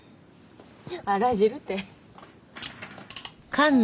「あら汁」て！